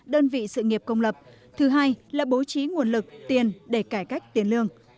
đơn vị sự nghiệp công lập thứ hai là bố trí nguồn lực tiền để cải cách tiền lương